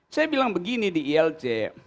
saya bilang begini di ilc